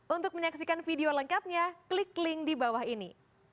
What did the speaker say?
untuk menyaksikan video lengkapnya klik link di bawah ini